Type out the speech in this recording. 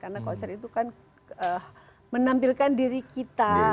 karena konser itu kan menampilkan diri kita